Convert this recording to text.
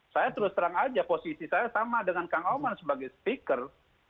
saya terus terang aja posisi saya sama dengan kang oman sebagai speaker